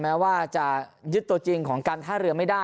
แม้ว่าจะยึดตัวจริงของการท่าเรือไม่ได้